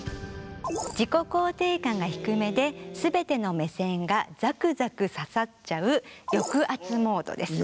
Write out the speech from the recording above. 自己肯定感が低めで全ての目線がザクザク刺さっちゃう抑圧モードです。